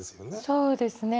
そうですね。